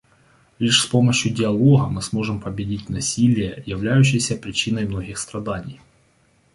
Лишь с помощью диалога мы сможем победить насилие, являющееся причиной многих страданий.